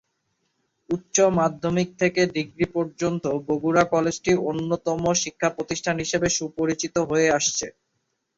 উচ্চ মাধ্যমিক থেকে ডিগ্রী পর্যন্ত বগুড়া কলেজটি অন্যতম শিক্ষা প্রতিষ্ঠান হিসাবে সুপরিচিত হয়ে আসছে।